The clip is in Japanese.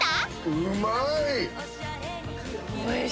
うまい！